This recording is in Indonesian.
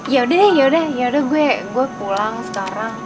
ya udah ya udah ya udah gue pulang sekarang